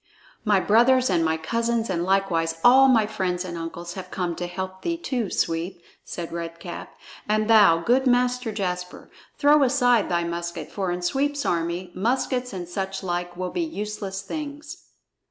"My brothers and my cousins and likewise all my friends and uncles have come to help thee too, Sweep," said Red Cap. "And thou, good Master Jasper, throw aside thy musket, for in Sweep's army, muskets and such like will be useless things."